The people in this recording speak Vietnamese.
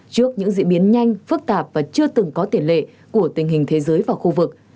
trước những diễn biến nhanh phức tạp và chưa từng có tiền lệ của tình hình thế giới và khu vực